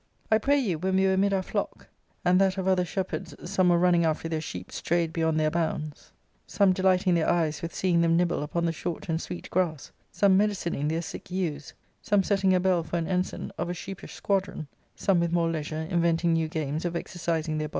J\ pray you, when we were ' our flock, and that, of other shepherds, some were i ^\'.\\^ .ifter their sheep, strayed beyond their bounds ;^.'•)! jhting their eyes with seeing them nibble upon the \\\x ' >.i sweet grass, some medicining their sick ewes, M '1 c ■ on ng a bell for an ensign of a sheepish squadron, sovcic '\. more leisure inventing new games of exercising Iv.r br.